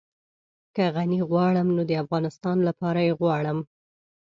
که غني غواړم نو د افغانستان لپاره يې غواړم.